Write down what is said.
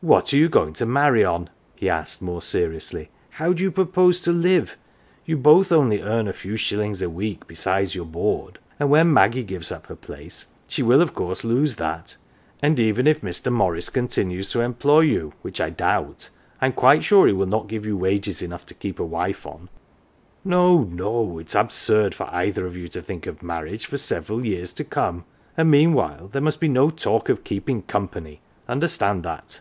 " What are you going to marry on ?" he asked more seriously. " How do you propose to live ? You both only earn a few shillings a week besides your board, and when Maggie gives up her place she will of course lose that ; and even if Mr. Morris continues to employ you which I doubt I am quite sure he will not give you wages enough to keep a wife on. No no, it is absurd for either of you to think of marriage for several 200 LITTLE PAUPERS years to come. And meanwhile there must be no talk of keeping company understand that."